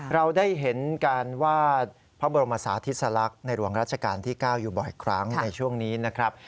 เราได้เห็นการวาดพระบรมศาธิสลักษณ์ในหลวงราชการที่๙อยู่บ่อยครั้งในช่วงนี้นะครับ